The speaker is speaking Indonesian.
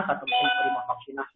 atau mungkin terima vaksinasi